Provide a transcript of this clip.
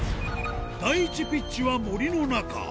第１ピッチは森の中。